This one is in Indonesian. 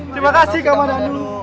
terima kasih kamandano